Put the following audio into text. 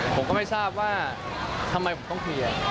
ผมก็ไม่ทราบว่าทำไมผมต้องเคลียร์